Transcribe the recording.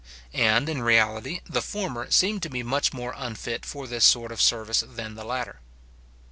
And, in reality, the former seem to be much more unfit for this sort of service than the latter.